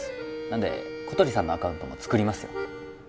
なんで小鳥さんのアカウントも作りますよ